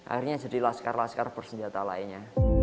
akhirnya jadi laskar laskar bersenjata lainnya